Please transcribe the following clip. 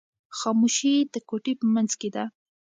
خاموشي د کوټې په منځ کې ده.